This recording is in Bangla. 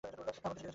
আবার কিছু দেখেছ?